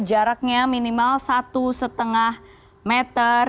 jaraknya minimal satu lima meter